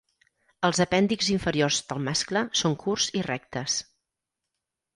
Els apèndixs inferiors del mascle són curts i rectes.